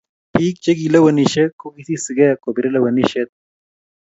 Pik che kilewenishe kokisisike kopire lewenishet